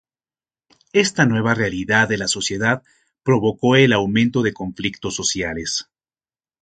Esta nueva realidad de la sociedad provocó el aumento de conflictos sociales.